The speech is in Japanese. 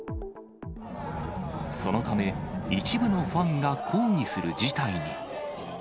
そのため、一部のファンが抗議する事態に。